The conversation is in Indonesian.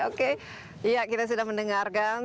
oke iya kita sudah mendengarkan